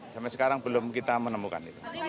sampai sekarang belum kita menemukan itu